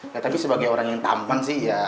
ya tapi sebagai orang yang tampan sih ya